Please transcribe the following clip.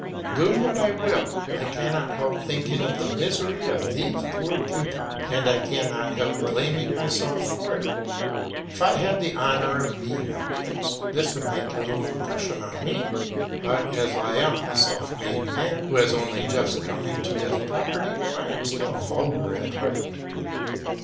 Do what I will, I cannot help thinking of the misery of these poor people, and I cannot help blaming myself for it. If I had the honour of being a prince, this would make little impression on me; but as I am a self made man who has only just come into his property, I am still rather vulgar at heart.